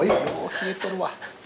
冷えてるわ。